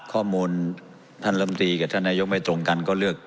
ข้อมูลท่านลำตีกับท่านนายกไม่ตรงกันก็เลือก